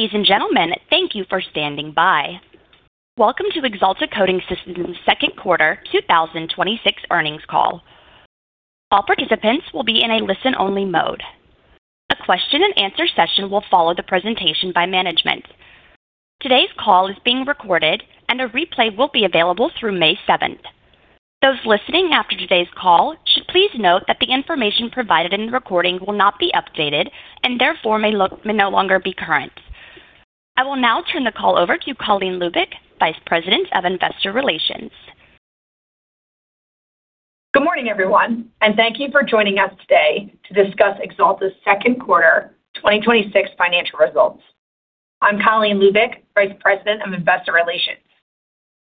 Ladies and gentlemen, thank you for standing by. Welcome to Axalta Coating Systems second quarter 2026 earnings call. All participants will be in a listen-only mode. A question and answer session will follow the presentation by management. Today's call is being recorded, and a replay will be available through May 7th. Those listening after today's call should please note that the information provided in the recording will not be updated, and therefore may no longer be current. I will now turn the call over to Colleen Lubic, Vice President of Investor Relations. Good morning, everyone. Thank you for joining us today to discuss Axalta's second quarter 2026 financial results. I'm Colleen Lubic, Vice President of Investor Relations.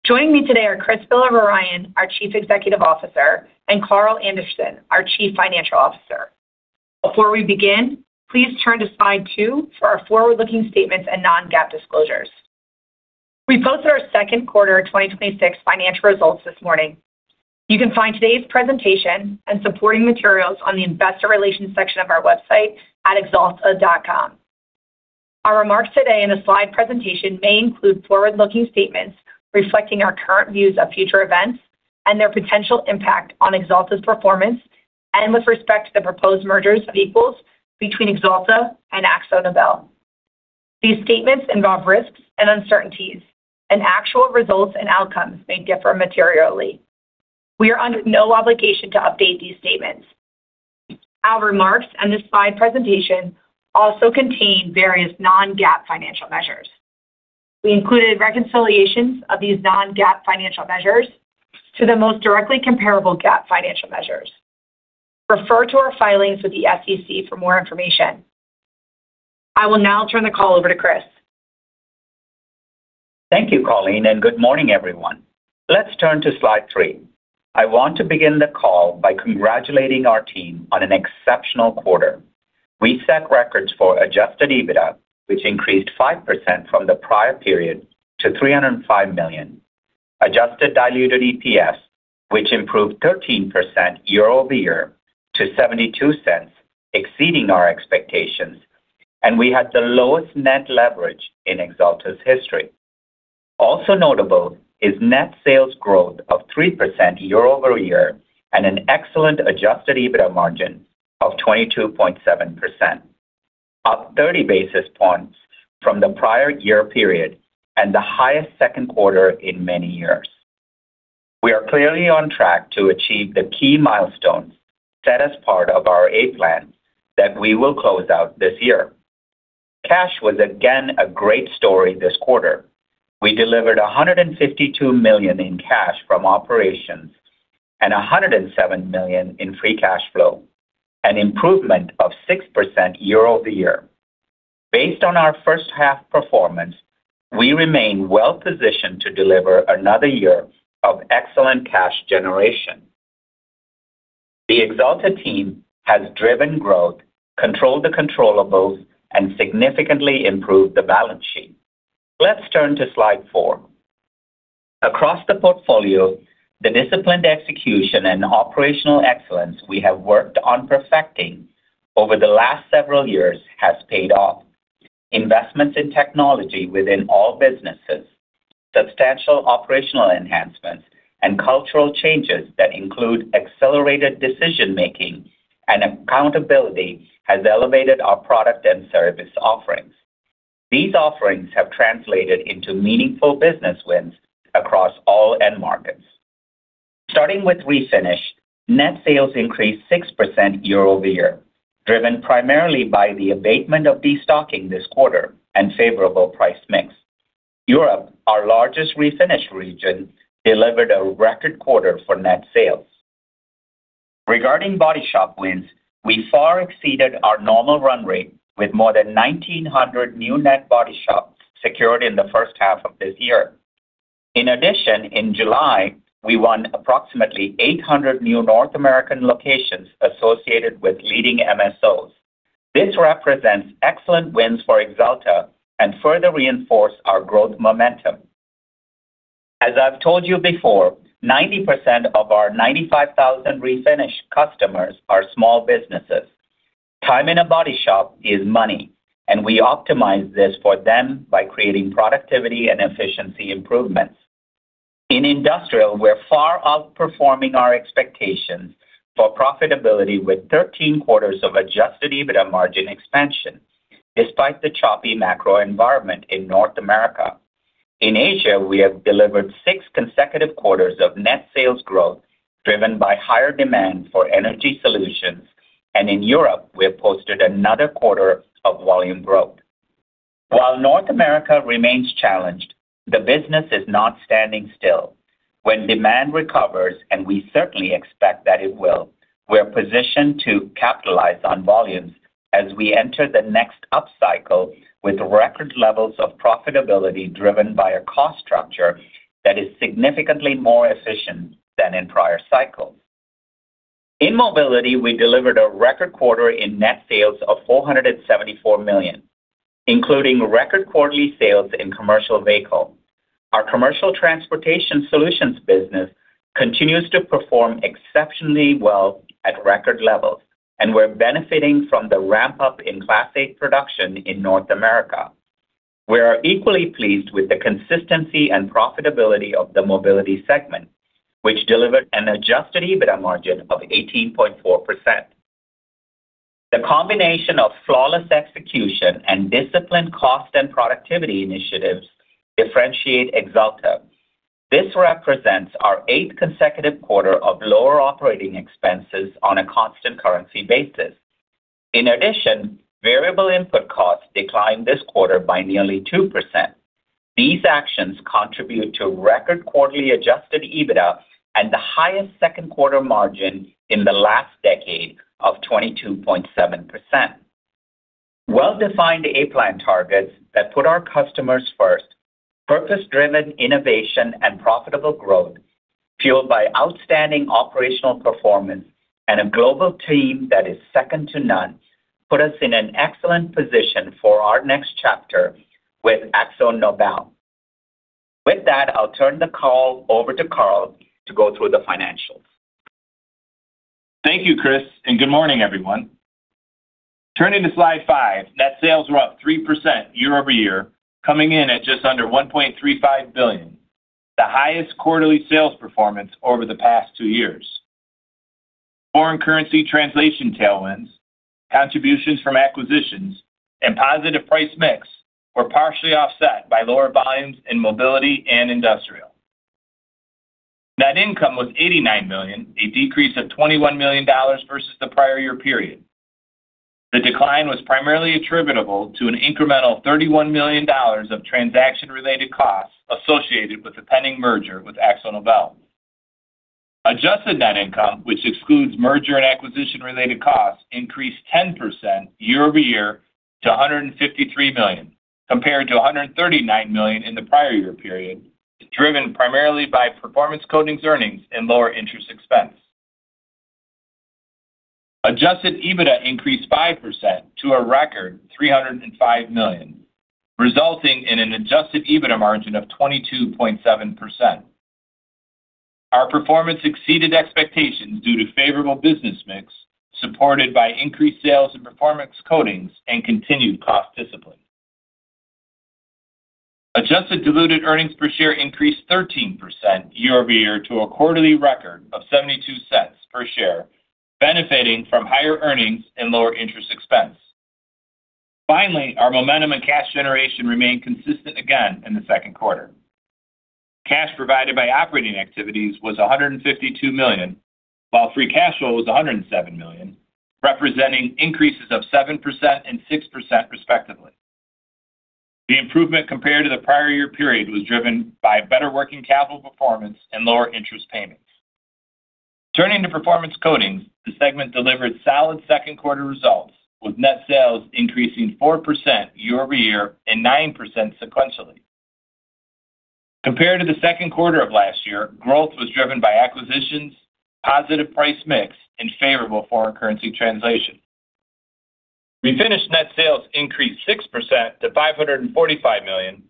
Joining me today are Chris Villavarayan, our Chief Executive Officer, and Carl Anderson, our Chief Financial Officer. Before we begin, please turn to slide two for our forward-looking statements and non-GAAP disclosures. We posted our second quarter 2026 financial results this morning. You can find today's presentation and supporting materials on the investor relations section of our website at axalta.com. Our remarks today and the slide presentation may include forward-looking statements reflecting our current views of future events and their potential impact on Axalta's performance and with respect to the proposed merger of equals between Axalta and AkzoNobel. These statements involve risks and uncertainties, and actual results and outcomes may differ materially. We are under no obligation to update these statements. Our remarks and the slide presentation also contain various non-GAAP financial measures. We included reconciliations of these non-GAAP financial measures to the most directly comparable GAAP financial measures. Refer to our filings with the SEC for more information. I will now turn the call over to Chris. Thank you, Colleen. Good morning, everyone. Let's turn to slide three. I want to begin the call by congratulating our team on an exceptional quarter. We set records for adjusted EBITDA, which increased 5% from the prior period to $305 million. Adjusted diluted EPS, which improved 13% year-over-year to $0.72, exceeding our expectations, and we had the lowest net leverage in Axalta's history. Also notable is net sales growth of 3% year-over-year and an excellent adjusted EBITDA margin of 22.7%, up 30 basis points from the prior year period and the highest second quarter in many years. We are clearly on track to achieve the key milestones set as part of our A Plan that we will close out this year. Cash was again a great story this quarter. We delivered $152 million in cash from operations and $107 million in free cash flow, an improvement of 6% year-over-year. Based on our first half performance, we remain well-positioned to deliver another year of excellent cash generation. The Axalta team has driven growth, controlled the controllables, and significantly improved the balance sheet. Let's turn to slide four. Across the portfolio, the disciplined execution and operational excellence we have worked on perfecting over the last several years has paid off. Investments in technology within all businesses, substantial operational enhancements, and cultural changes that include accelerated decision-making and accountability has elevated our product and service offerings. These offerings have translated into meaningful business wins across all end markets. Starting with Refinish, net sales increased 6% year-over-year, driven primarily by the abatement of destocking this quarter and favorable price mix. Europe, our largest Refinish region, delivered a record quarter for net sales. Regarding body shop wins, we far exceeded our normal run rate with more than 1,900 new net body shops secured in the H1 of this year. In addition, in July, we won approximately 800 new North American locations associated with leading MSOs. This represents excellent wins for Axalta and further reinforce our growth momentum. As I've told you before, 90% of our 95,000 Refinish customers are small businesses. Time in a body shop is money, and we optimize this for them by creating productivity and efficiency improvements. In Industrial, we're far outperforming our expectations for profitability with 13 quarters of adjusted EBITDA margin expansion, despite the choppy macro environment in North America. In Asia, we have delivered six consecutive quarters of net sales growth driven by higher demand for Energy Solutions, and in Europe, we have posted another quarter of volume growth. While North America remains challenged, the business is not standing still. When demand recovers, and we certainly expect that it will, we're positioned to capitalize on volumes as we enter the next upcycle with record levels of profitability driven by a cost structure that is significantly more efficient than in prior cycles. In Mobility, we delivered a record quarter in net sales of $474 million, including record quarterly sales in commercial vehicle. Our commercial transportation solutions business continues to perform exceptionally well at record levels, and we're benefiting from the ramp-up in Class 8 production in North America. We are equally pleased with the consistency and profitability of the Mobility segment, which delivered an adjusted EBITDA margin of 18.4%. The combination of flawless execution and disciplined cost and productivity initiatives differentiate Axalta. This represents our eighth consecutive quarter of lower operating expenses on a constant currency basis. In addition, variable input costs declined this quarter by nearly 2%. These actions contribute to record quarterly adjusted EBITDA and the highest second quarter margin in the last decade of 22.7%. Well-defined A Plan targets that put our customers first, purpose-driven innovation and profitable growth, fueled by outstanding operational performance and a global team that is second to none, put us in an excellent position for our next chapter with AkzoNobel. With that, I'll turn the call over to Carl to go through the financials. Thank you, Chris, and good morning, everyone. Turning to slide five, net sales were up 3% year-over-year, coming in at just under $1.35 billion, the highest quarterly sales performance over the past two years. Foreign currency translation tailwinds, contributions from acquisitions, and positive price mix were partially offset by lower volumes in mobility and Industrial. Net income was $89 million, a decrease of $21 million versus the prior year period. The decline was primarily attributable to an incremental $31 million of transaction-related costs associated with the pending merger with AkzoNobel. Adjusted net income, which excludes merger and acquisition-related costs, increased 10% year-over-year to $153 million, compared to $139 million in the prior year period, driven primarily by Performance Coatings earnings and lower interest expense. Adjusted EBITDA increased 5% to a record $305 million, resulting in an adjusted EBITDA margin of 22.7%. Our performance exceeded expectations due to favorable business mix, supported by increased sales in Performance Coatings and continued cost discipline. Adjusted diluted earnings per share increased 13% year-over-year to a quarterly record of $0.72 per share, benefiting from higher earnings and lower interest expense. Finally, our momentum and cash generation remained consistent again in the second quarter. Cash provided by operating activities was $152 million, while free cash flow was $107 million, representing increases of 7% and 6% respectively. The improvement compared to the prior year period was driven by better working capital performance and lower interest payments. Turning to Performance Coatings, the segment delivered solid second quarter results, with net sales increasing 4% year-over-year and 9% sequentially. Compared to the second quarter of last year, growth was driven by acquisitions, positive price mix, and favorable foreign currency translation. Refinish net sales increased 6% to $545 million,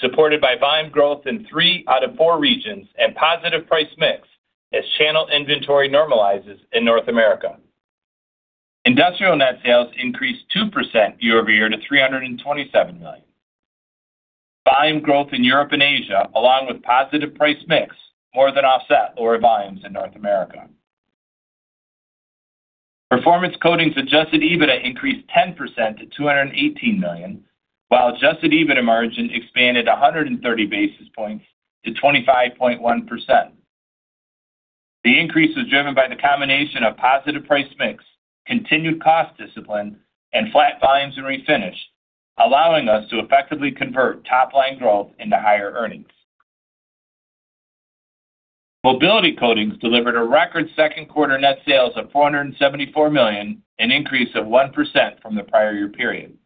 supported by volume growth in three out of four regions and positive price mix as channel inventory normalizes in North America. Industrial net sales increased 2% year-over-year to $327 million. Volume growth in Europe and Asia, along with positive price mix, more than offset lower volumes in North America. Performance Coatings adjusted EBITDA increased 10% to $218 million, while adjusted EBITDA margin expanded 130 basis points to 25.1%. The increase was driven by the combination of positive price mix, continued cost discipline, and flat volumes in Refinish, allowing us to effectively convert top-line growth into higher earnings. Mobility Coatings delivered a record second quarter net sales of $474 million, an increase of 1% from the prior year period.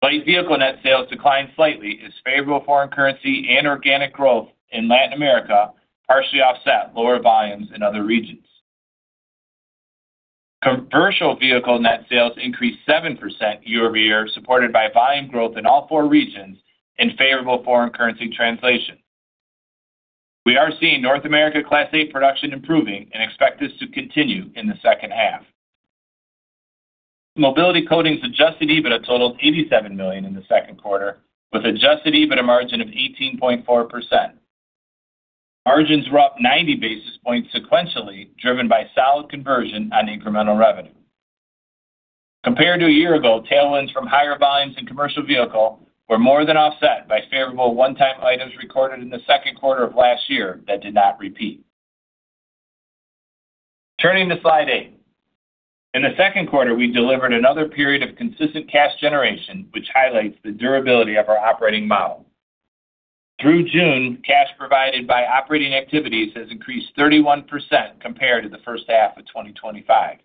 Light Vehicle net sales declined slightly as favorable foreign currency and organic growth in Latin America partially offset lower volumes in other regions. Commercial Vehicle net sales increased 7% year-over-year, supported by volume growth in all four regions and favorable foreign currency translation. We are seeing North America Class 8 production improving and expect this to continue in the H2. Mobility Coatings adjusted EBITDA totaled $87 million in the second quarter, with adjusted EBITDA margin of 18.4%. Margins were up 90 basis points sequentially, driven by solid conversion on incremental revenue. Compared to a year ago, tailwinds from higher volumes in Commercial Vehicle were more than offset by favorable one-time items recorded in the second quarter of last year that did not repeat. Turning to slide eight. In the second quarter, we delivered another period of consistent cash generation, which highlights the durability of our operating model. Through June, cash provided by operating activities has increased 31% compared to the H1 of 2025.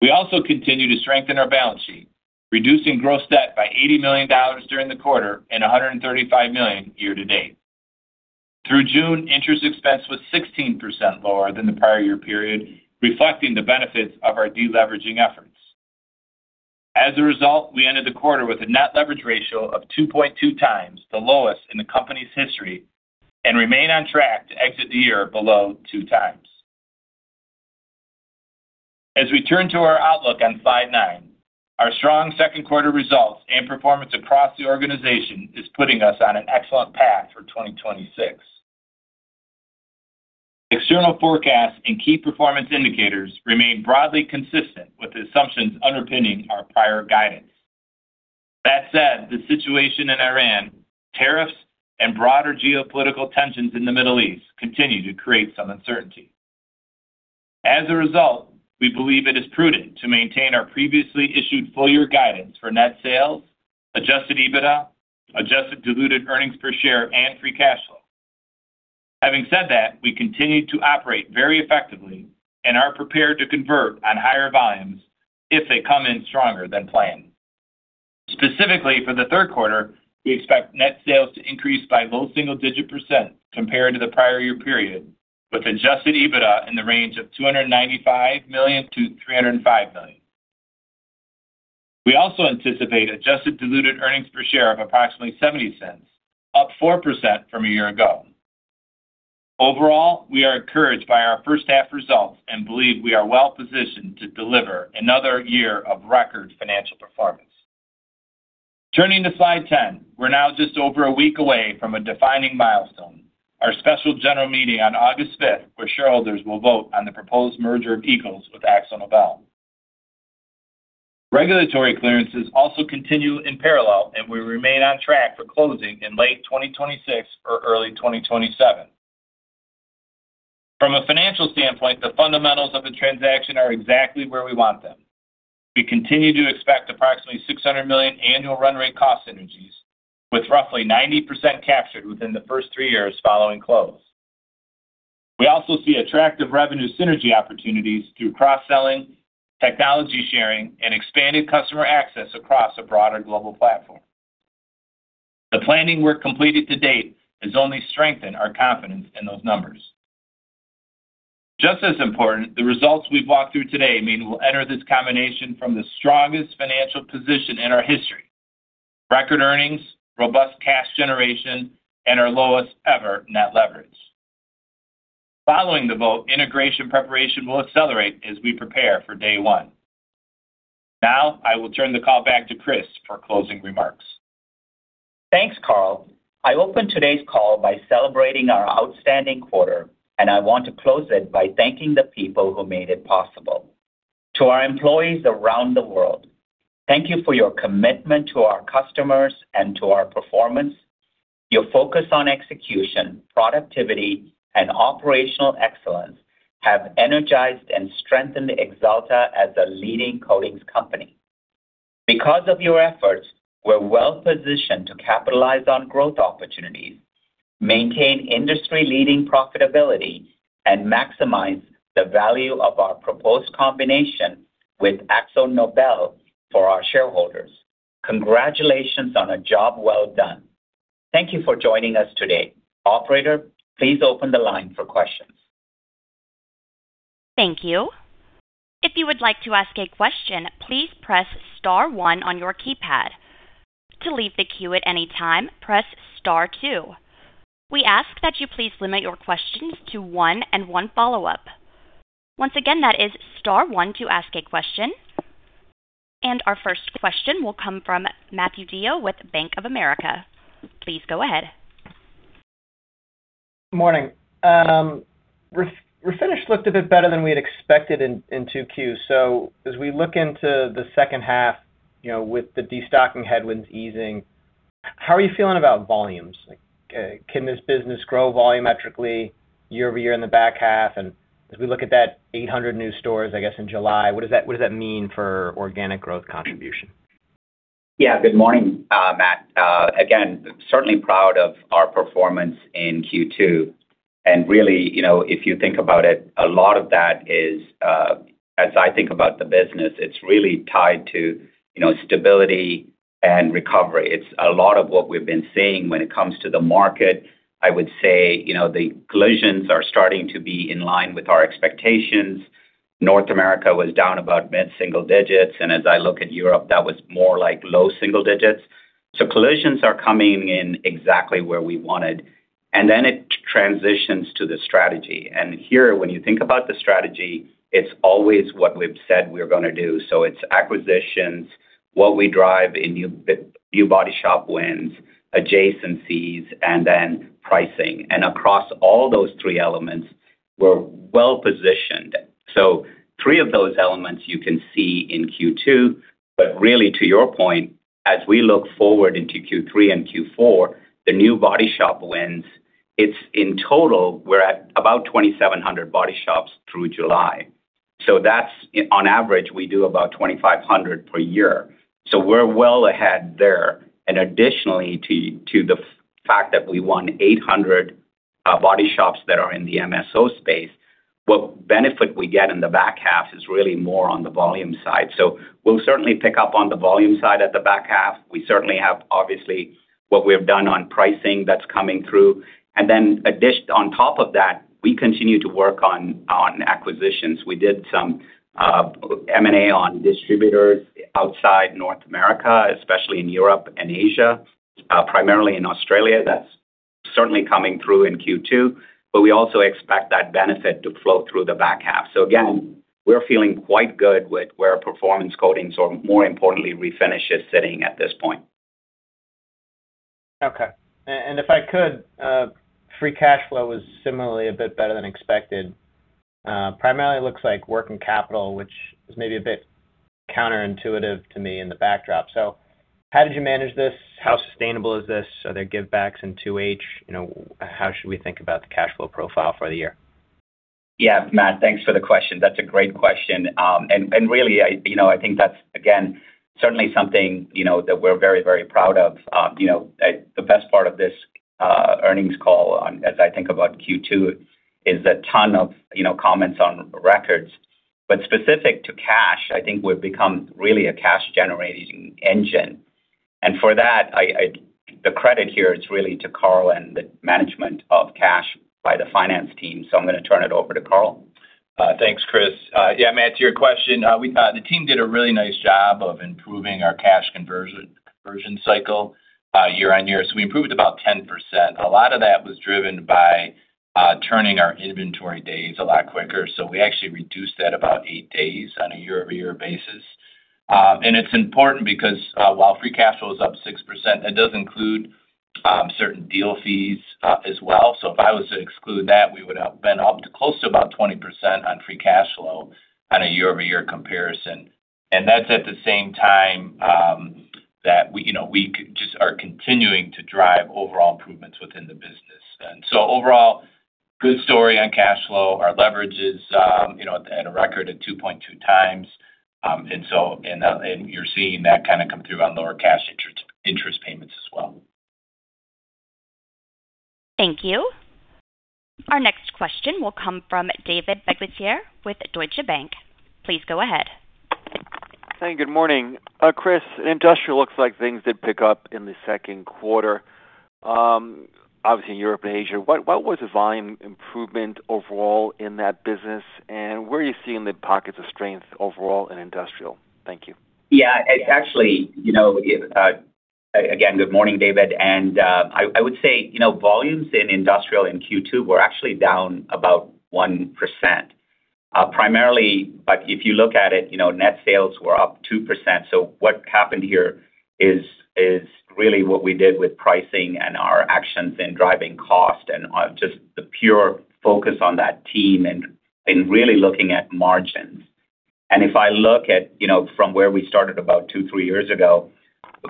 We also continue to strengthen our balance sheet, reducing gross debt by $80 million during the quarter and $135 million year-to-date. Through June, interest expense was 16% lower than the prior year period, reflecting the benefits of our de-leveraging efforts. As a result, we ended the quarter with a net leverage ratio of 2.2x, the lowest in the company's history, and remain on track to exit the year below 2x. As we turn to our outlook on slide nine, our strong second quarter results and performance across the organization is putting us on an excellent path for 2026. External forecasts and key performance indicators remain broadly consistent with the assumptions underpinning our prior guidance. That said, the situation in Iran, tariffs, and broader geopolitical tensions in the Middle East continue to create some uncertainty. As a result, we believe it is prudent to maintain our previously issued full year guidance for net sales, adjusted EBITDA, adjusted diluted earnings per share, and free cash flow. Having said that, we continue to operate very effectively and are prepared to convert on higher volumes if they come in stronger than planned. Specifically for the third quarter, we expect net sales to increase by low single-digit percent compared to the prior year period, with adjusted EBITDA in the range of $295 million-$305 million. We also anticipate adjusted diluted earnings per share of approximately $0.70, up 4% from a year ago. Overall, we are encouraged by our H1 results and believe we are well-positioned to deliver another year of record financial performance. Turning to slide 10. We're now just over a week away from a defining milestone, our special general meeting on August 5th, where shareholders will vote on the proposed merger of equals with AkzoNobel. Regulatory clearances also continue in parallel, and we remain on track for closing in late 2026 or early 2027. From a financial standpoint, the fundamentals of the transaction are exactly where we want them. We continue to expect approximately $600 million annual run rate cost synergies with roughly 90% captured within the first three years following close. We also see attractive revenue synergy opportunities through cross-selling, technology sharing, and expanded customer access across a broader global platform. The planning work completed to date has only strengthened our confidence in those numbers. Just as important, the results we've walked through today mean we'll enter this combination from the strongest financial position in our history. Record earnings, robust cash generation, and our lowest-ever net leverage. Following the vote, integration preparation will accelerate as we prepare for day one. Now, I will turn the call back to Chris for closing remarks. Thanks, Carl. I opened today's call by celebrating our outstanding quarter, and I want to close it by thanking the people who made it possible. To our employees around the world, thank you for your commitment to our customers and to our performance. Your focus on execution, productivity, and operational excellence have energized and strengthened Axalta as a leading coatings company. Because of your efforts, we're well-positioned to capitalize on growth opportunities, maintain industry-leading profitability, and maximize the value of our proposed combination with AkzoNobel for our shareholders. Congratulations on a job well done. Thank you for joining us today. Operator, please open the line for questions. Thank you. If you would like to ask a question, please press star one on your keypad. To leave the queue at any time, press star two. We ask that you please limit your questions to one and one follow-up. Once again, that is star one to ask a question. Our first question will come from Matthew DeYoe with Bank of America. Please go ahead. Morning. Refinish looked a bit better than we had expected in two Q's. As we look into the H2 with the destocking headwinds easing, how are you feeling about volumes? Can this business grow volumetrically year-over-year in the back half? As we look at that 800 new stores, I guess, in July, what does that mean for organic growth contribution? Yeah. Good morning, Matt. Again, certainly proud of our performance in Q2. Really, if you think about it, a lot of that is, as I think about the business, it's really tied to stability and recovery. It's a lot of what we've been seeing when it comes to the market. I would say, the collisions are starting to be in line with our expectations. North America was down about mid-single digits, and as I look at Europe, that was more like low single digits. Collisions are coming in exactly where we wanted. Then it transitions to the strategy. Here, when you think about the strategy, it's always what we've said we're going to do. It's acquisitions, what we drive in new body shop wins, adjacencies, and then pricing. Across all those three elements, we're well-positioned. Three of those elements you can see in Q2, but really to your point, as we look forward into Q3 and Q4, the new body shop wins, it's in total, we're at about 2,700 body shops through July. That's, on average, we do about 2,500 per year. We're well ahead there. Additionally, to the fact that we won 800 body shops that are in the MSO space. What benefit we get in the back half is really more on the volume side. We'll certainly pick up on the volume side at the back half. We certainly have, obviously, what we have done on pricing that's coming through. Then on top of that, we continue to work on acquisitions. We did some M&A on distributors outside North America, especially in Europe and Asia, primarily in Australia. That's certainly coming through in Q2, we also expect that benefit to flow through the back half. Again, we're feeling quite good with where Performance Coatings, or more importantly, Refinish is sitting at this point. Okay. If I could, free cash flow was similarly a bit better than expected. Primarily, it looks like working capital, which is maybe a bit counterintuitive to me in the backdrop. How did you manage this? How sustainable is this? Are there give backs in 2H? How should we think about the cash flow profile for the year? Yeah, Matt, thanks for the question. That's a great question. Really, I think that's, again, certainly something that we're very proud of. The best part of this earnings call, as I think about Q2, is a ton of comments on records. Specific to cash, I think we've become really a cash-generating engine. For that, the credit here is really to Carl and the management of cash by the finance team. I'm going to turn it over to Carl. Thanks, Chris. Yeah, Matt, to your question, the team did a really nice job of improving our cash conversion cycle year-on-year. We improved about 10%. A lot of that was driven by turning our inventory days a lot quicker. We actually reduced that about eight days on a year-over-year basis. It's important because while free cash flow is up 6%, that does include certain deal fees as well. If I was to exclude that, we would have been up to close to about 20% on free cash flow on a year-over-year comparison. That's at the same time that we just are continuing to drive overall improvements within the business. Overall, good story on cash flow. Our leverage is at a record at 2.2x. You're seeing that kind of come through on lower cash interest payments as well. Thank you. Our next question will come from David Begleiter with Deutsche Bank. Please go ahead. Hey, good morning. Chris, Industrial looks like things did pick up in the second quarter, obviously in Europe and Asia. What was the volume improvement overall in that business? Where are you seeing the pockets of strength overall in Industrial? Thank you. Yeah. Again, good morning, David. I would say, volumes in Industrial in Q2 were actually down about 1%. Primarily, if you look at it, net sales were up 2%. What happened here is really what we did with pricing and our actions in driving cost, and just the pure focus on that team and in really looking at margins. If I look at from where we started about two, three years ago,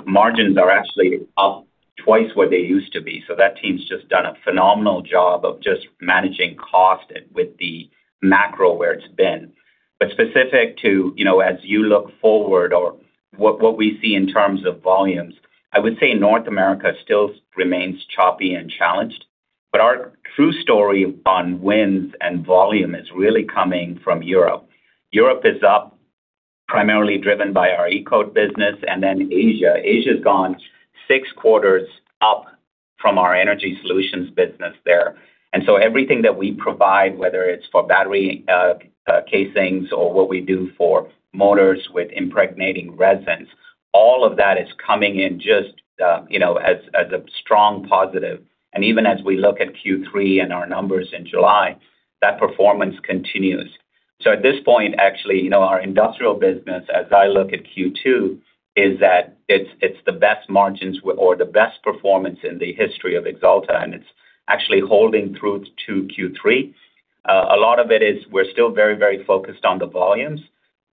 margins are actually up twice what they used to be. That team's just done a phenomenal job of just managing cost with the macro where it's been. Specific to as you look forward or what we see in terms of volumes, I would say North America still remains choppy and challenged. Our true story on wins and volume is really coming from Europe. Europe is up primarily driven by our E-Coat business. Asia's gone six quarters up from our Energy Solutions business there. Everything that we provide, whether it's for battery casings or what we do for motors with impregnating resins, all of that is coming in just as a strong positive. Even as we look at Q3 and our numbers in July, that performance continues. At this point, actually, our Industrial business, as I look at Q2, is that it's the best margins or the best performance in the history of Axalta, and it's actually holding through to Q3. A lot of it is we're still very focused on the volumes,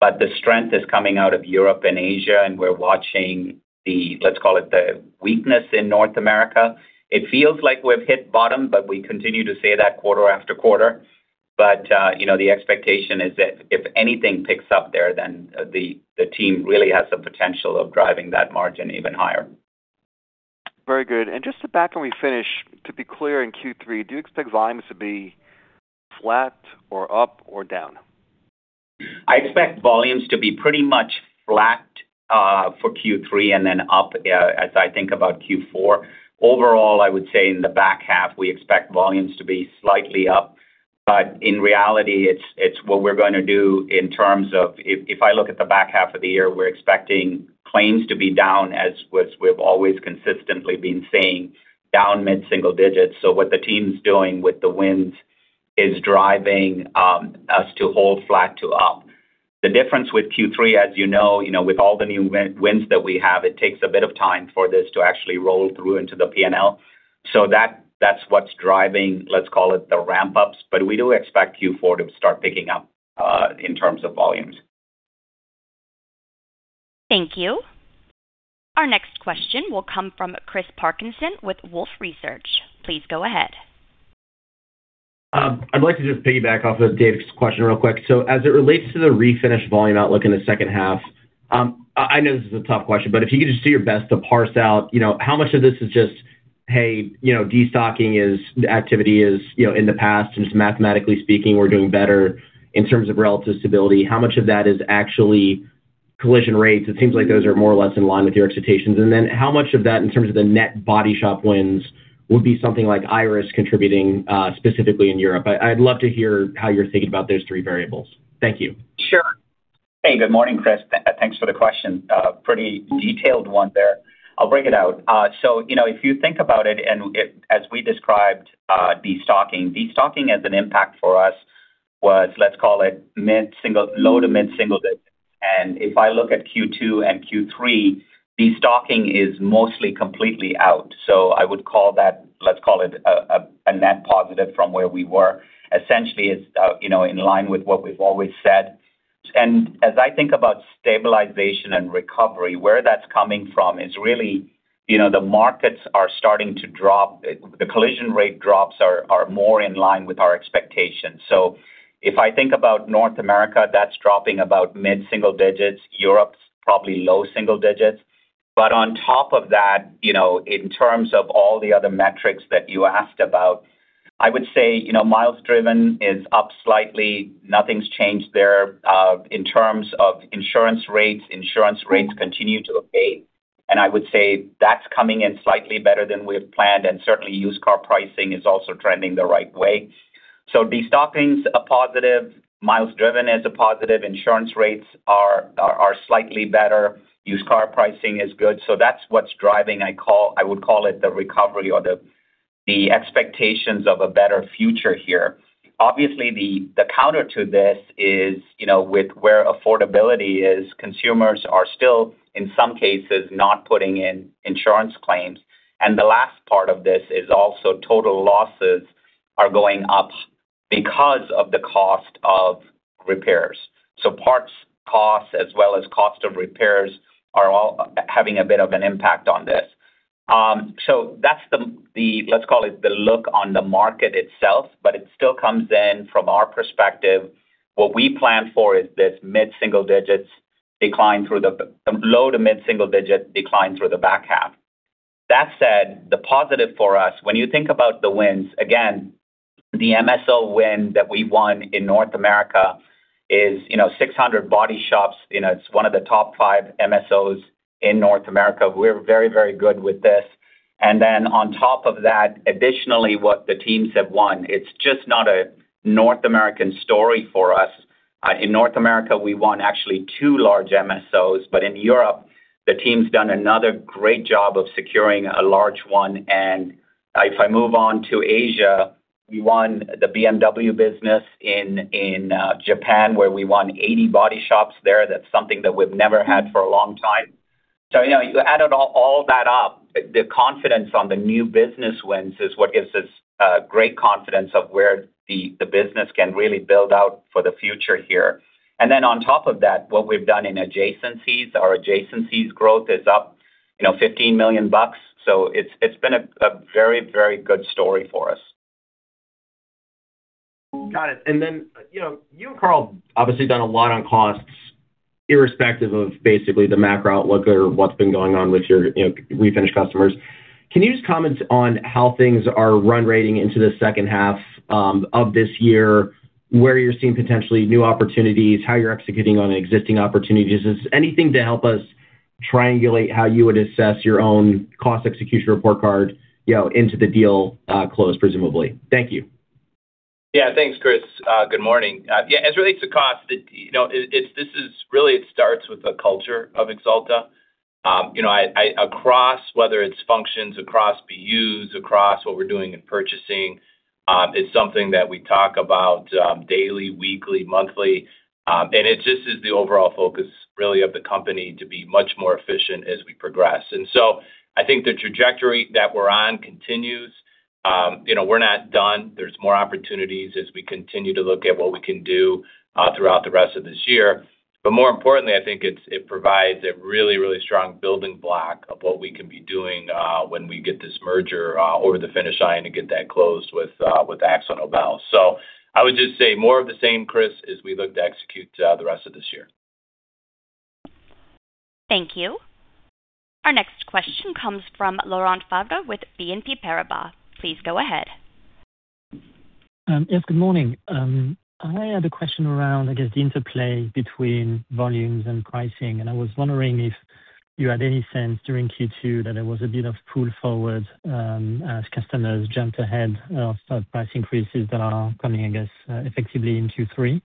but the strength is coming out of Europe and Asia, and we're watching the, let's call it, the weakness in North America. It feels like we've hit bottom, but we continue to say that quarter after quarter. The expectation is that if anything picks up there, the team really has the potential of driving that margin even higher. Very good. Just to back when we finish, to be clear, in Q3, do you expect volumes to be flat or up or down? I expect volumes to be pretty much flat for Q3 and then up as I think about Q4. Overall, I would say in the back half, we expect volumes to be slightly up, but in reality, it's what we're going to do in terms of if I look at the back half of the year, we're expecting claims to be down as we've always consistently been saying, down mid-single digits. What the team's doing with the wins is driving us to hold flat to up. The difference with Q3, as you know, with all the new wins that we have, it takes a bit of time for this to actually roll through into the P&L. That's what's driving, let's call it, the ramp-ups. We do expect Q4 to start picking up in terms of volumes. Thank you. Our next question will come from Chris Parkinson with Wolfe Research. Please go ahead. I'd like to just piggyback off of David's question real quick. As it relates to the Refinish volume outlook in the H2, I know this is a tough question, but if you could just do your best to parse out how much of this is just Hey, destocking activity is in the past, and just mathematically speaking, we're doing better in terms of relative stability. How much of that is actually collision rates? It seems like those are more or less in line with your expectations. Then how much of that, in terms of the net body shop wins, would be something like IRUS contributing specifically in Europe? I'd love to hear how you're thinking about those three variables. Thank you. Sure. Hey, good morning, Chris. Thanks for the question. A pretty detailed one there. I'll break it out. If you think about it, as we described destocking as an impact for us was, let's call it, low- to mid-single digit. If I look at Q2 and Q3, destocking is mostly completely out. I would call that a net positive from where we were. Essentially, it's in line with what we've always said. As I think about stabilization and recovery, where that's coming from is really, the markets are starting to drop. The collision rate drops are more in line with our expectations. If I think about North America, that's dropping about mid-single digits. Europe's probably low single digits. On top of that, in terms of all the other metrics that you asked about, I would say, miles driven is up slightly. Nothing's changed there. In terms of insurance rates, insurance rates continue to abate, I would say that's coming in slightly better than we have planned, certainly used car pricing is also trending the right way. Destocking's a positive, miles driven is a positive, insurance rates are slightly better, used car pricing is good. That's what's driving, I would call it, the recovery or the expectations of a better future here. Obviously, the counter to this is with where affordability is, consumers are still, in some cases, not putting in insurance claims. The last part of this is also total losses are going up because of the cost of repairs. Parts costs as well as cost of repairs are all having a bit of an impact on this. That's the, let's call it, the look on the market itself, but it still comes in from our perspective. What we plan for is this low- to mid-single digit decline through the back half. That said, the positive for us, when you think about the wins, again, the MSO win that we won in North America is 600 body shops. It's one of the top five MSOs in North America. We're very, very good with this. On top of that, additionally, what the teams have won, it's just not a North American story for us. In North America, we won actually two large MSOs. In Europe, the team's done another great job of securing a large one. If I move on to Asia, we won the BMW business in Japan, where we won 80 body shops there. That's something that we've never had for a long time. You added all that up, the confidence on the new business wins is what gives us great confidence of where the business can really build out for the future here. On top of that, what we've done in adjacencies, our adjacencies growth is up $15 million. It's been a very, very good story for us. Got it. You and Carl obviously done a lot on costs, irrespective of basically the macro outlook or what's been going on with your Refinish customers. Can you just comment on how things are run rating into the second half of this year, where you're seeing potentially new opportunities, how you're executing on existing opportunities? Just anything to help us triangulate how you would assess your own cost execution report card into the deal close, presumably. Thank you. Thanks, Chris. Good morning. As relates to cost, really it starts with the culture of Axalta. Across whether it's functions, across BUs, across what we're doing in purchasing. It's something that we talk about, daily, weekly, monthly. It just is the overall focus, really, of the company to be much more efficient as we progress. I think the trajectory that we're on continues. We're not done. There's more opportunities as we continue to look at what we can do throughout the rest of this year. More importantly, I think it provides a really, really strong building block of what we can be doing, when we get this merger over the finish line to get that closed with AkzoNobel. I would just say more of the same, Chris, as we look to execute the rest of this year. Thank you. Our next question comes from Laurent Favre with BNP Paribas. Please go ahead. Yes, good morning. I had a question around, I guess, the interplay between volumes and pricing, and I was wondering if you had any sense during Q2 that there was a bit of pull forward, as customers jumped ahead of price increases that are coming, I guess, effectively in Q3.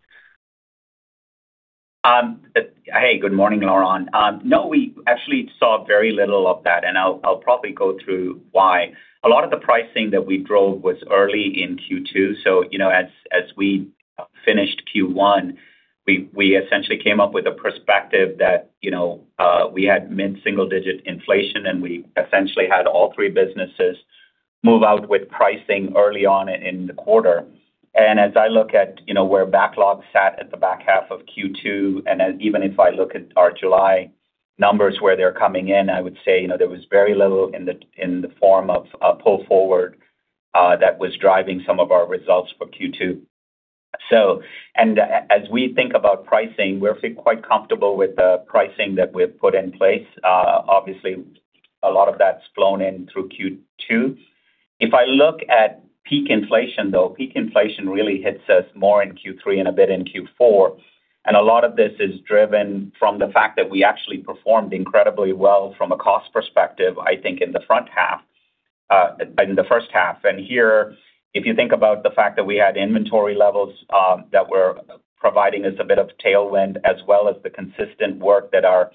Hey, good morning, Laurent. No, we actually saw very little of that. I'll probably go through why. A lot of the pricing that we drove was early in Q2. As we finished Q1, we essentially came up with a perspective that we had mid-single digit inflation. We essentially had all three businesses move out with pricing early on in the quarter. As I look at where backlog sat at the back half of Q2, even if I look at our July numbers where they're coming in, I would say there was very little in the form of pull forward that was driving some of our results for Q2. As we think about pricing, we're quite comfortable with the pricing that we've put in place. Obviously, a lot of that's flown in through Q2. If I look at peak inflation, though, peak inflation really hits us more in Q3 and a bit in Q4. A lot of this is driven from the fact that we actually performed incredibly well from a cost perspective, I think, in the front half, in the H1. Here, if you think about the fact that we had inventory levels that were providing us a bit of tailwind, as well as the consistent work that our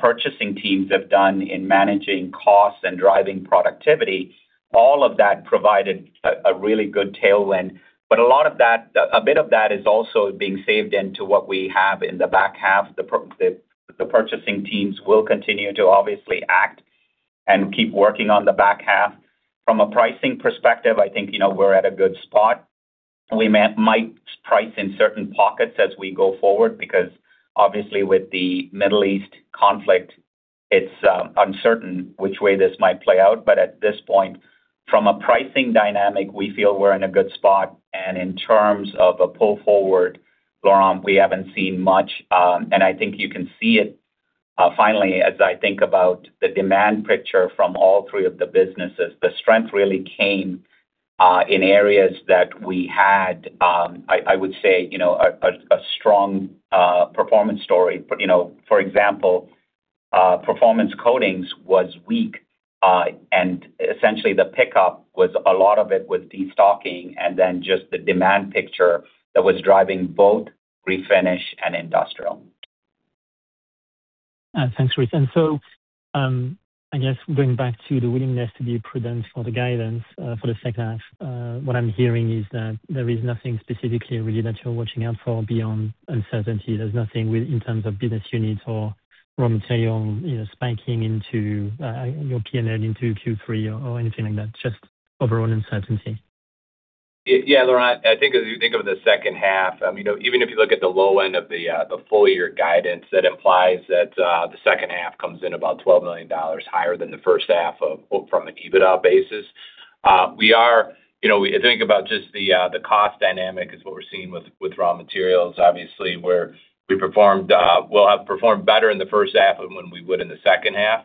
purchasing teams have done in managing costs and driving productivity, all of that provided a really good tailwind. A bit of that is also being saved into what we have in the back half. The purchasing teams will continue to obviously act and keep working on the back half. From a pricing perspective, I think we're at a good spot. We might price in certain pockets as we go forward, because obviously with the Middle East conflict, it's uncertain which way this might play out. At this point, from a pricing dynamic, we feel we're in a good spot. In terms of a pull forward, Laurent, we haven't seen much. I think you can see it finally, as I think about the demand picture from all three of the businesses, the strength really came in areas that we had, I would say, a strong performance story. For example, Performance Coatings was weak, and essentially the pickup was, a lot of it was destocking and then just the demand picture that was driving both Refinish and Industrial. Thanks, Chris. I guess going back to the willingness to be prudent for the guidance for the H2, what I'm hearing is that there is nothing specifically really that you're watching out for beyond uncertainty. There's nothing in terms of business units or raw material impacting into your P&L into Q3 or anything like that, just overall uncertainty. Laurent, I think as you think of the H2, even if you look at the low end of the full year guidance, that implies that the H2 comes in about $12 million higher than the H1 from an EBITDA basis. Think about just the cost dynamic is what we're seeing with raw materials. Obviously, we'll have performed better in the H1 than we would in the H2.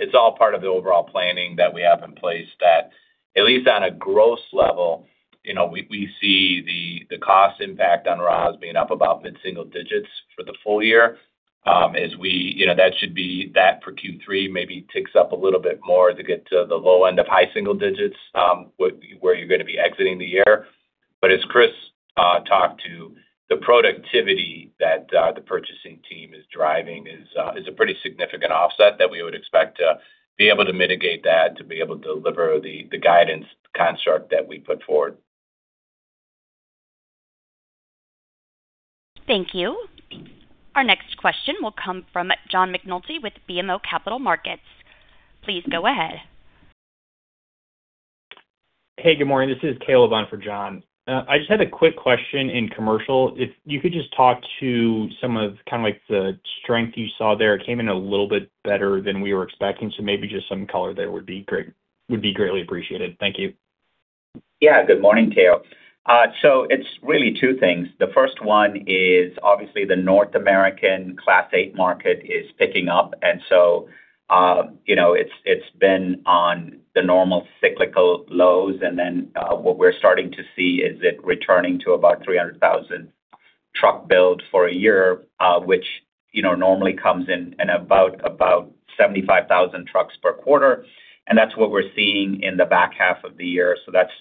It's all part of the overall planning that we have in place that at least on a gross level, we see the cost impact on raws being up about mid-single digits for the full year. That should be that for Q3, maybe ticks up a little bit more to get to the low end of high single digits, where you're going to be exiting the year. As Chris talked to, the productivity that the purchasing team is driving is a pretty significant offset that we would expect to be able to mitigate that, to be able to deliver the guidance construct that we put forward. Thank you. Our next question will come from John McNulty with BMO Capital Markets. Please go ahead. Hey, good morning. This is Cale on for John. I just had a quick question in commercial. If you could just talk to some of the strength you saw there. It came in a little bit better than we were expecting, maybe just some color there would be greatly appreciated. Thank you. Yeah. Good morning, Cale. It's really two things. The first one is obviously the North American Class 8 market is picking up, it's been on the normal cyclical lows. What we're starting to see is it returning to about 300,000 truck build for a year, which normally comes in about 75,000 trucks per quarter. That's what we're seeing in the back half of the year. That's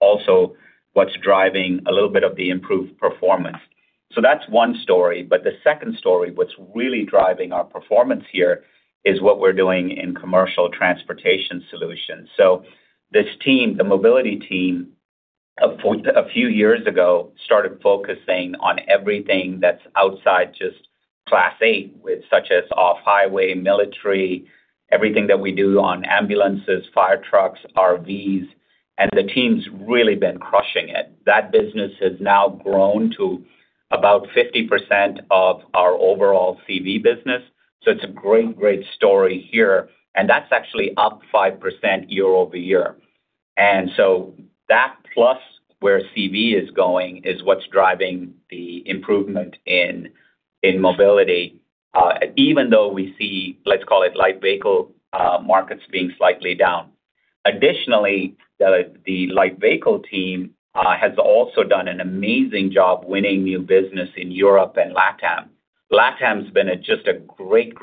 also what's driving a little bit of the improved performance. That's one story. The second story, what's really driving our performance here is what we're doing in commercial transportation solutions. This team, the Mobility team, a few years ago, started focusing on everything that's outside just Class 8, such as off-highway, military, everything that we do on ambulances, fire trucks, RVs, and the team's really been crushing it. That business has now grown to about 50% of our overall CV business. It's a great story here, and that's actually up 5% year-over-year. That plus where CV is going is what's driving the improvement in Mobility, even though we see, let's call it light vehicle markets being slightly down. Additionally, the light vehicle team has also done an amazing job winning new business in Europe and LATAM. LATAM's been just a great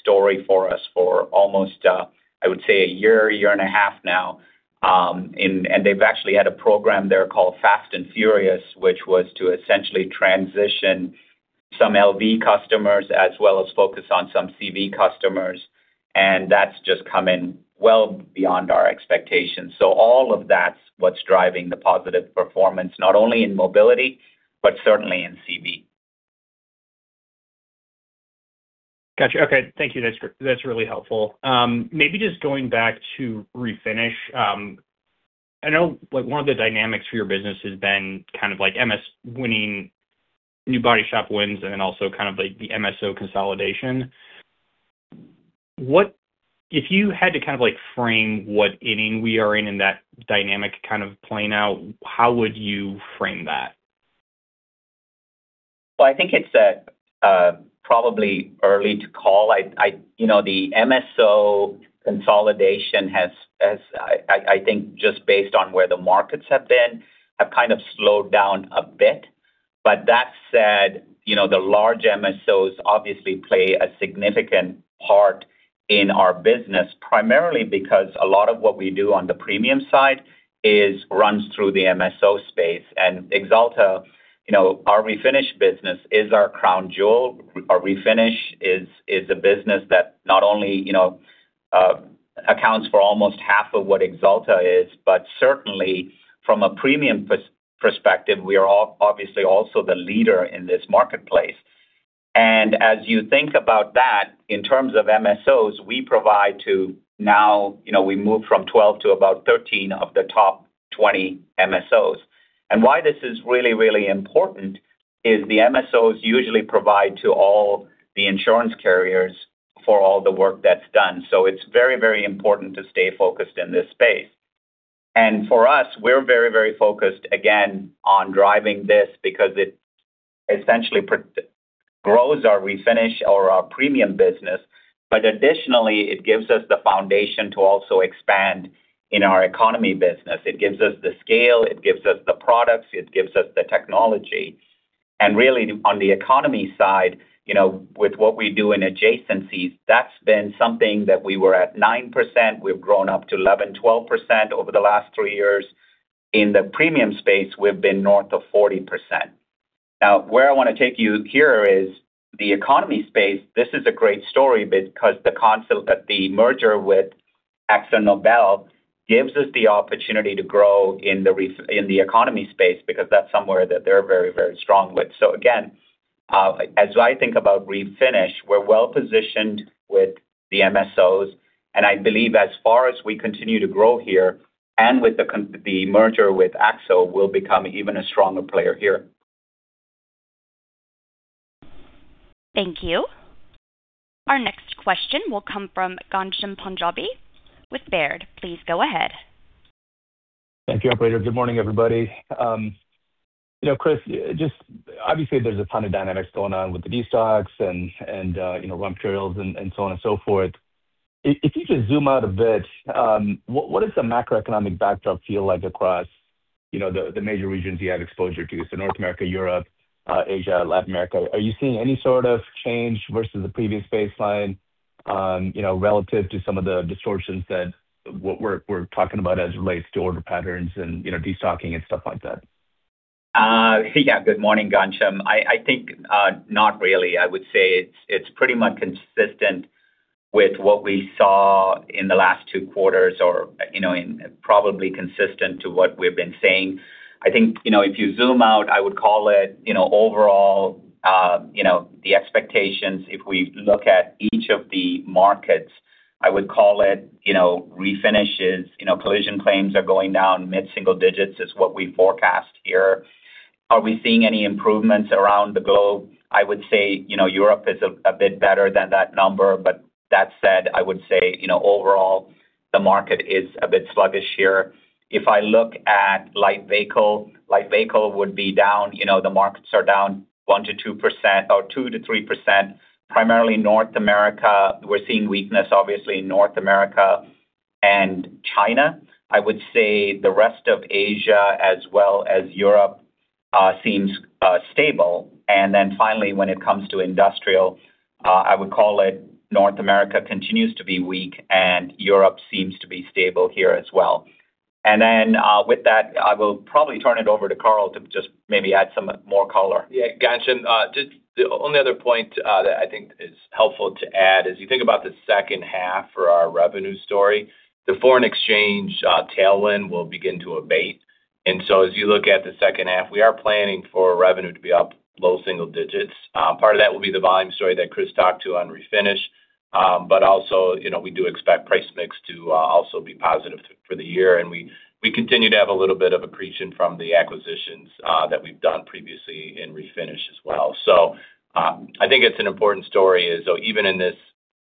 story for us for almost, I would say, a year and a half now. They've actually had a program there called Fast and Furious, which was to essentially transition some LV customers as well as focus on some CV customers, and that's just come in well beyond our expectations. All of that's what's driving the positive performance, not only in Mobility, but certainly in CV. Got you. Okay. Thank you. That's really helpful. Going back to Refinish. I know one of the dynamics for your business has been kind of like MSOs winning new body shop wins and then also kind of like the MSO consolidation. If you had to frame what inning we are in that dynamic playing out, how would you frame that? Well, I think it's probably early to call. The MSO consolidation has, I think just based on where the markets have been, have kind of slowed down a bit. That said, the large MSOs obviously play a significant part in our business, primarily because a lot of what we do on the premium side runs through the MSO space. Axalta, our Refinish business is our crown jewel. Our Refinish is a business that not only accounts for almost half of what Axalta is, but certainly from a premium perspective, we are obviously also the leader in this marketplace. As you think about that, in terms of MSOs, we provide to now we moved from 12 to about 13 of the top 20 MSOs. Why this is really, really important is the MSOs usually provide to all the insurance carriers for all the work that's done. It's very, very important to stay focused in this space. For us, we're very, very focused, again, on driving this because it essentially grows our Refinish or our premium business. Additionally, it gives us the foundation to also expand in our economy business. It gives us the scale, it gives us the products, it gives us the technology. Really on the economy side, with what we do in adjacencies, that's been something that we were at 9%, we've grown up to 11%, 12% over the last three years. In the premium space, we've been north of 40%. Now, where I want to take you here is the economy space. This is a great story because the merger with AkzoNobel gives us the opportunity to grow in the economy space, because that's somewhere that they're very, very strong with. Again, as I think about Refinish, we're well-positioned with the MSOs, and I believe as far as we continue to grow here and with the merger with Akzo, we'll become even a stronger player here. Thank you. Our next question will come from Ghansham Panjabi with Baird. Please go ahead. Thank you, operator. Good morning, everybody. Chris, obviously there's a ton of dynamics going on with the destocks and raw materials and so on and so forth. If you just zoom out a bit, what does the macroeconomic backdrop feel like across the major regions you have exposure to? North America, Europe, Asia, Latin America. Are you seeing any sort of change versus the previous baseline relative to some of the distortions that we're talking about as it relates to order patterns and destocking and stuff like that? Good morning, Ghansham. I think not really. I would say it's pretty much consistent with what we saw in the last two quarters or probably consistent to what we've been saying. I think if you zoom out, I would call it overall the expectations, if we look at each of the markets, I would call it Refinish. Collision claims are going down mid-single digits is what we forecast here. Are we seeing any improvements around the globe? I would say Europe is a bit better than that number, that said, I would say overall, the market is a bit sluggish here. If I look at light vehicle, light vehicle would be down. The markets are down 1%-2% or 2%-3%, primarily North America. We're seeing weakness, obviously, in North America and China. I would say the rest of Asia as well as Europe seems stable. Finally, when it comes to Industrial, I would call it North America continues to be weak, Europe seems to be stable here as well. With that, I will probably turn it over to Carl to just maybe add some more color. Yeah. Ghansham, the only other point that I think is helpful to add as you think about the H2 for our revenue story, the foreign exchange tailwind will begin to abate. As you look at the H2, we are planning for revenue to be up low single digits. Part of that will be the volume story that Chris talked to on Refinish. Also, we do expect price mix to also be positive for the year, and we continue to have a little bit of accretion from the acquisitions that we've done previously in Refinish as well. I think it's an important story is, so even in this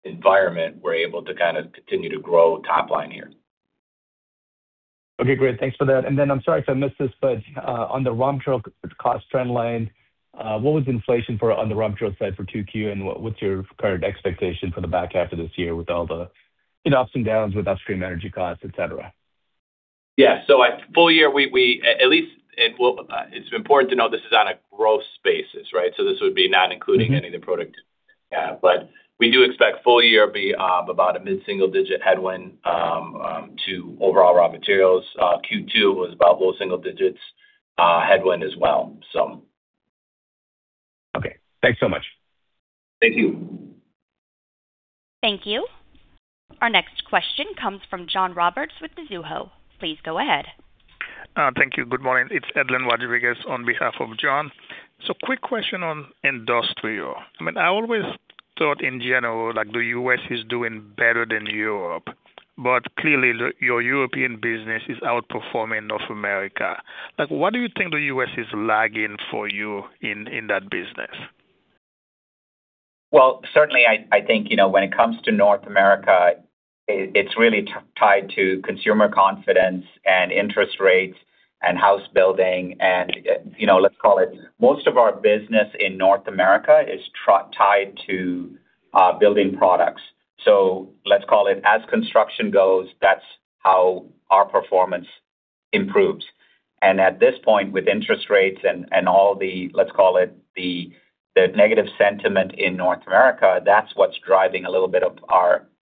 environment, we're able to kind of continue to grow top line here. Okay, great. Thanks for that. I'm sorry if I missed this, but on the raw material cost trend line, what was inflation on the raw material side for 2Q, and what's your current expectation for the back half of this year with all the ups and downs with upstream energy costs, et cetera? Yeah. At full year, it's important to know this is on a growth basis, right? This would be not including any of the product. We do expect full year be up about a mid-single digit headwind to overall raw materials. Q2 was about low single digits headwind as well. Okay. Thanks so much. Thank you. Thank you. Our next question comes from John Roberts with Mizuho. Please go ahead. Thank you. Good morning. It is Edlain Rodriguez on behalf of John. Quick question on Industrial. I always thought in general, the U.S. is doing better than Europe. Clearly, your European business is outperforming North America. What do you think the U.S. is lagging for you in that business? Certainly, I think, when it comes to North America, it's really tied to consumer confidence and interest rates and house building and most of our business in North America is tied to building products. As construction goes, that's how our performance improves. At this point, with interest rates and all the negative sentiment in North America, that's what's driving a little bit of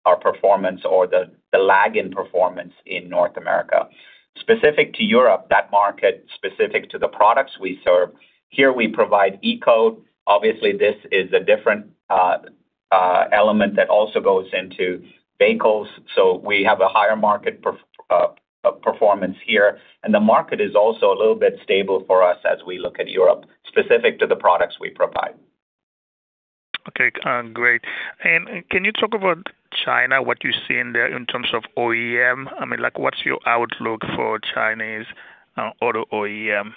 our performance or the lag in performance in North America. Specific to Europe, that market, specific to the products we serve, here we provide E-Coat. Obviously, this is a different element that also goes into vehicles. We have a higher market performance here, and the market is also a little bit stable for us as we look at Europe, specific to the products we provide. Okay. Great. Can you talk about China, what you see in there in terms of OEM? I mean, what's your outlook for Chinese auto OEM?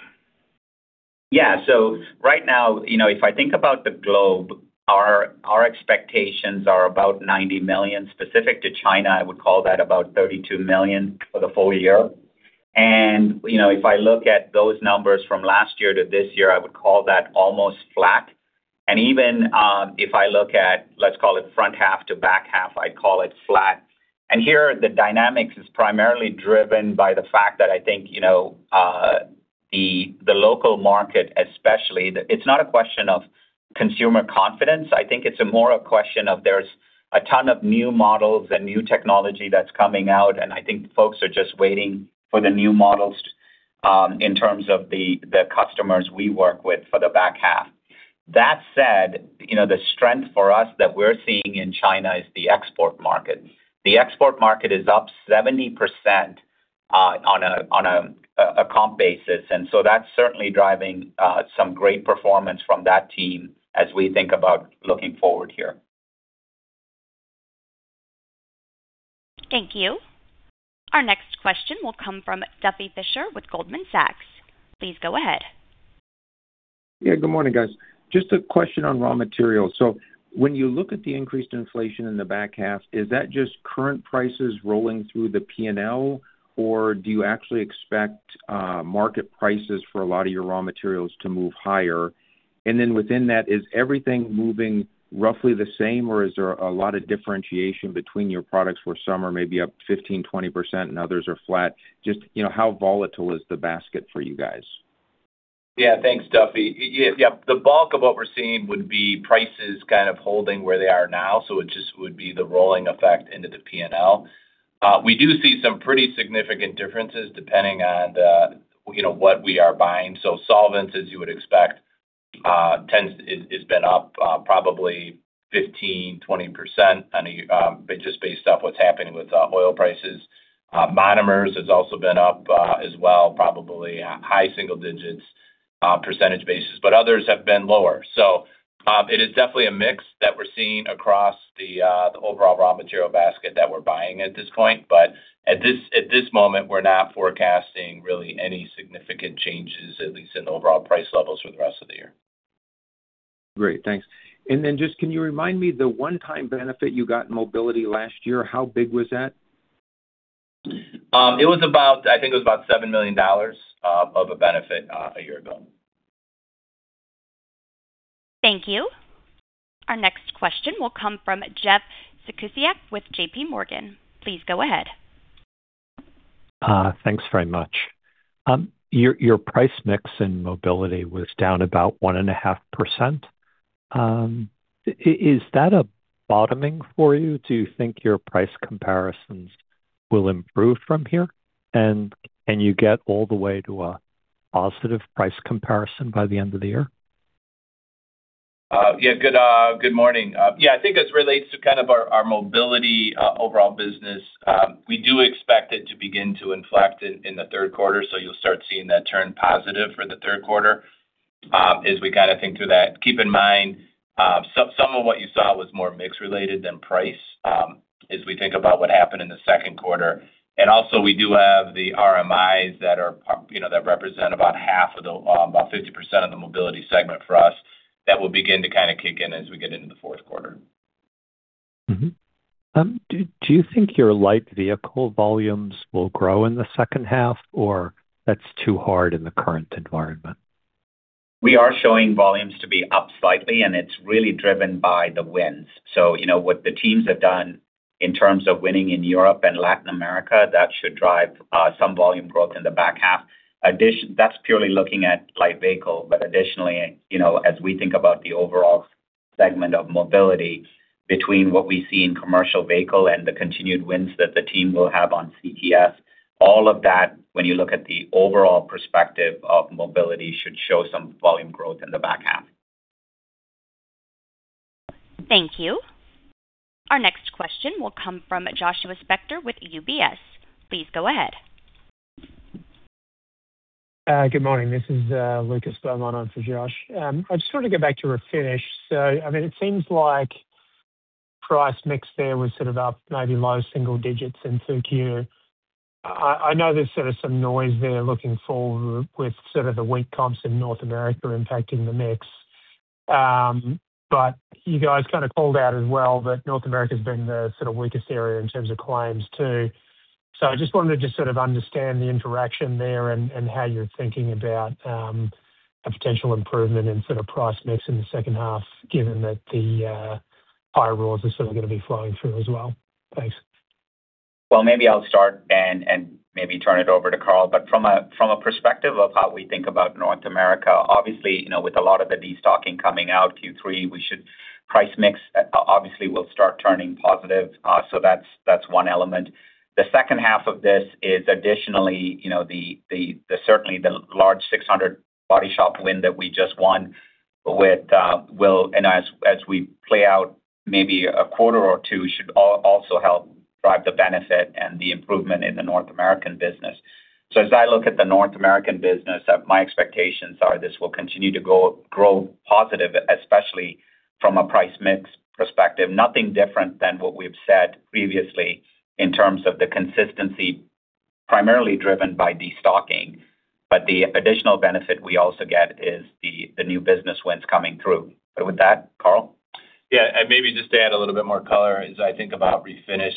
Right now, if I think about the globe, our expectations are about $90 million. Specific to China, I would call that about $32 million for the full year. If I look at those numbers from last year to this year, I would call that almost flat. Even if I look at front half to back half, I'd call it flat. Here the dynamics is primarily driven by the fact that I think, the local market especially, it's not a question of consumer confidence, I think it's a more a question of there's a ton of new models and new technology that's coming out, and I think folks are just waiting for the new models, in terms of the customers we work with for the back half. That said, the strength for us that we're seeing in China is the export market. The export market is up 70% on a comp basis, that's certainly driving some great performance from that team as we think about looking forward here. Thank you. Our next question will come from Duffy Fischer with Goldman Sachs. Please go ahead. Yeah. Good morning, guys. Just a question on raw materials. When you look at the increased inflation in the back half, is that just current prices rolling through the P&L, or do you actually expect market prices for a lot of your raw materials to move higher? Then within that, is everything moving roughly the same, or is there a lot of differentiation between your products where some are maybe up 15%, 20% and others are flat? Just how volatile is the basket for you guys? Yeah. Thanks, Duffy. Yeah. The bulk of what we're seeing would be prices kind of holding where they are now, so it just would be the rolling effect into the P&L. We do see some pretty significant differences depending on what we are buying. Solvents, as you would expect, it's been up probably 15%, 20% just based off what's happening with oil prices. Monomers has also been up as well, probably high single digits percentage basis, but others have been lower. It is definitely a mix that we're seeing across the overall raw material basket that we're buying at this point. At this moment, we're not forecasting really any significant changes, at least in overall price levels for the rest of the year. Great. Thanks. Then just, can you remind me the one-time benefit you got in Mobility last year, how big was that? I think it was about $7 million of a benefit a year ago. Thank you. Our next question will come from Jeff Zekauskas with JPMorgan. Please go ahead. Thanks very much. Your price mix in mobility was down about 1.5%. Is that a bottoming for you? Do you think your price comparisons will improve from here, and can you get all the way to a positive price comparison by the end of the year? Yeah. Good morning. Yeah, I think as it relates to kind of our mobility overall business, we do expect it to begin to inflect in the third quarter, you'll start seeing that turn positive for the third quarter as we kind of think through that. Keep in mind, some of what you saw was more mix related than price, as we think about what happened in the second quarter. Also we do have the RMI that represent about 50% of the mobility segment for us that will begin to kind of kick in as we get into the fourth quarter. Do you think your light vehicle volumes will grow in the H2, or that's too hard in the current environment? We are showing volumes to be up slightly. It's really driven by the wins. What the teams have done in terms of winning in Europe and Latin America, that should drive some volume growth in the back half. That's purely looking at light vehicle. Additionally, as we think about the overall segment of Mobility between what we see in commercial vehicle and the continued wins that the team will have on CTS, all of that, when you look at the overall perspective of Mobility, should show some volume growth in the back half. Thank you. Our next question will come from Joshua Spector with UBS. Please go ahead. Good morning. This is Lucas Beaumont on for Josh. I just want to go back to Refinish. It seems like price mix there was up maybe low single digits in 2Q. I know there's some noise there looking forward with the weak comps in North America impacting the mix. You guys kind of called out as well that North America has been the weakest area in terms of claims, too. I just wanted to just sort of understand the interaction there and how you're thinking about a potential improvement in price mix in the second half, given that the higher raws are sort of going to be flowing through as well. Thanks. Maybe I'll start and maybe turn it over to Carl. From a perspective of how we think about North America, obviously, with a lot of the de-stocking coming out Q3, price mix obviously will start turning positive. That's one element. The second half of this is additionally, certainly the large 600-body shop win that we just won with WIL, and as we play out maybe a quarter or two, should also help drive the benefit and the improvement in the North American business. As I look at the North American business, my expectations are this will continue to grow positive, especially from a price mix perspective. Nothing different than what we've said previously in terms of the consistency primarily driven by de-stocking, but the additional benefit we also get is the new business wins coming through. With that, Carl? Yeah. Maybe just to add a little more color as I think about Refinish.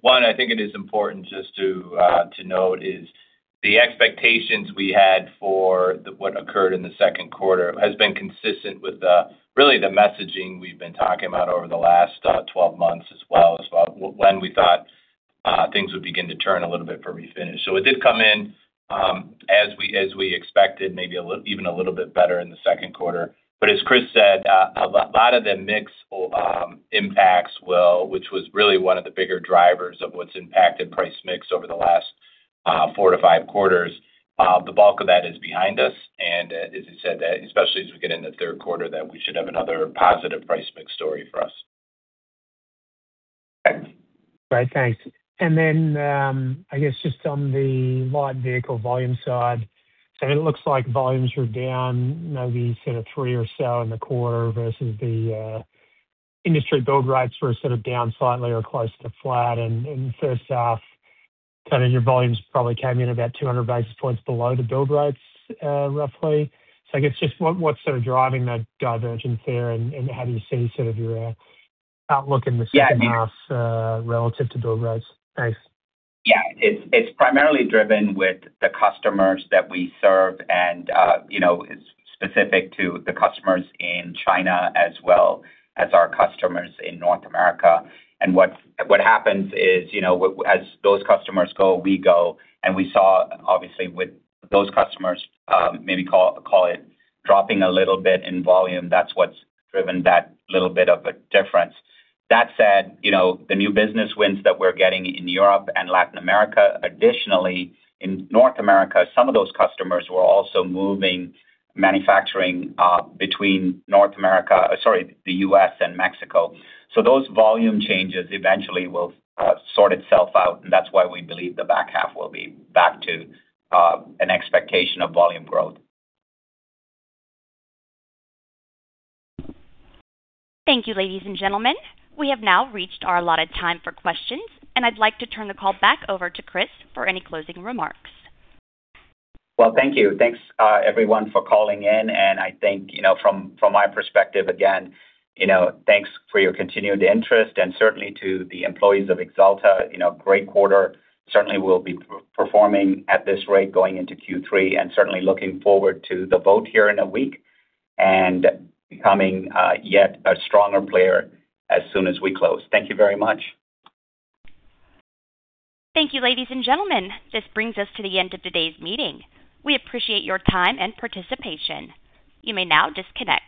One, I think it is important just to note is the expectations we had for what occurred in the second quarter has been consistent with really the messaging we've been talking about over the last 12 months as well, when we thought things would begin to turn a little bit for Refinish. It did come in as we expected, maybe even a little bit better in the second quarter. As Chris said, a lot of the mix impacts will, which was really one of the bigger drivers of what's impacted price mix over the last four to five quarters. The bulk of that is behind us, and as he said, especially as we get into the third quarter, that we should have another positive price mix story for us. Great, thanks. I guess just on the light vehicle volume side, it looks like volumes were down maybe three or so in the quarter versus the industry build rates were sort of down slightly or close to flat. In the first half, your volumes probably came in about 200 basis points below the build rates roughly. I guess just what's sort of driving that divergence there, and how do you see sort of your outlook in the H2 relative to build rates? Thanks. Yeah. It's primarily driven with the customers that we serve, and it's specific to the customers in China as well as our customers in North America. What happens is, as those customers go, we go, and we saw, obviously, with those customers, maybe call it dropping a little bit in volume. That's what's driven that little bit of a difference. That said, the new business wins that we're getting in Europe and Latin America, additionally, in North America, some of those customers were also moving manufacturing between the U.S. and Mexico. Those volume changes eventually will sort itself out, and that's why we believe the back half will be back to an expectation of volume growth. Thank you, ladies and gentlemen. We have now reached our allotted time for questions, and I'd like to turn the call back over to Chris for any closing remarks. Well, thank you. Thanks, everyone for calling in, and I think from my perspective, again, thanks for your continued interest and certainly to the employees of Axalta, great quarter. Certainly we'll be performing at this rate going into Q3, and certainly looking forward to the vote here in a week and becoming yet a stronger player as soon as we close. Thank you very much. Thank you, ladies and gentlemen. This brings us to the end of today's meeting. We appreciate your time and participation. You may now disconnect.